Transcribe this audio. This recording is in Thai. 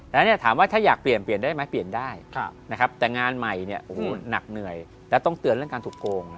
แล้วเนี่ยถามว่าถ้าอยากเปลี่ยนเปลี่ยนได้ไหมเปลี่ยนได้นะครับแต่งานใหม่หนักเหนื่อยแล้วต้องเตือนเรื่องการถูกโกง